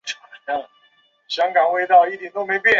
上海静安香格里拉大酒店网址